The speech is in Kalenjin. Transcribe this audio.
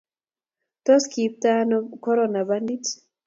tos kiibtano korona banandit?